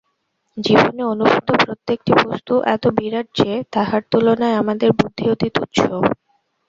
জীবনে অনুভূত প্রত্যেকটি বস্তু এত বিরাট যে, তাহার তুলনায় আমাদের বুদ্ধি অতি তুচ্ছ।